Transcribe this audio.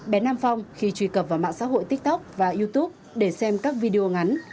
bé nam phong khi truy cập vào mạng xã hội tiktok và youtube để xem các video ngắn